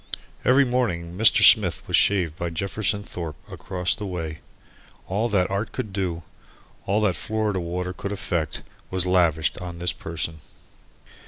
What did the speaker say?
Every morning Mr. Smith was shaved by Jefferson Thorpe, across the way. All that art could do, all that Florida water could effect, was lavished on his person.